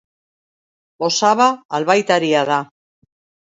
Osaba albaitaria da.